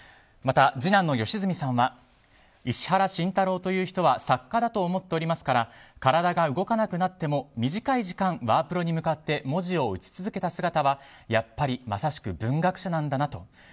また、次男の良純さんは石原慎太郎という人は作家だと思っておりますから体が動かなくなっても、短い時間ワープロに向かって文字を打ち続けた姿はやっぱりまさしく文学者なんだなと。